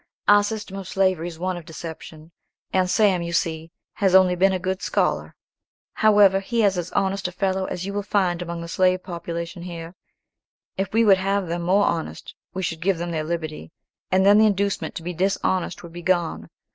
"Our system of slavery is one of deception; and Sam, you see, has only been a good scholar. However, he is as honest a fellow as you will find among the slave population here. If we would have them more honest, we should give them their liberty, and then the inducement to be dishonest would be gone.